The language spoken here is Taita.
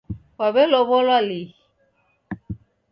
Kwalow'olwa lihi?